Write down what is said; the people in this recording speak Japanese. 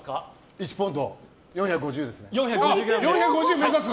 １ポンド、４５０ですね。